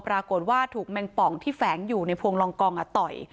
ปรากฏว่าถูกแมงป่องที่แฝงอยู่ในพวงลองกองต่อย